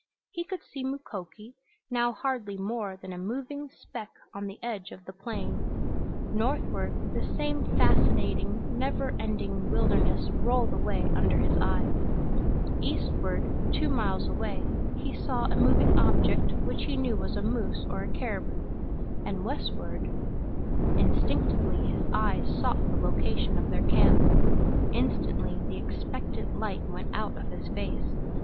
He could see Mukoki, now hardly more than a moving speck on the edge of the plain; northward the same fascinating, never ending wilderness rolled away under his eyes; eastward, two miles away, he saw a moving object which he knew was a moose or a caribou; and westward Instinctively his eyes sought the location of their camp. Instantly the expectant light went out of his face.